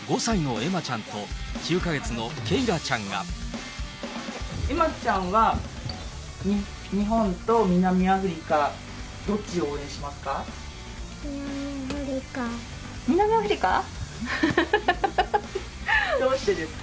恵麻ちゃんは、南アフリカ、どっちを応援しますか？